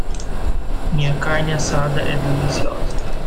Minha carne assada é deliciosa.